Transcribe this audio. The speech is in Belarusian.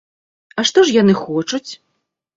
А што ж яны хочуць?